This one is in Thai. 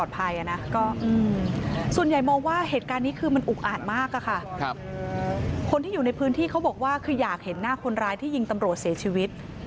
คนที่อยู่ในพื้นที่เขาบอกว่าคืออยากเห็นหน้าคนร้ายที่ยิงตำรวจเสียชีวิต